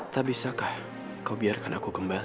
tak bisakah kau biarkan aku kembali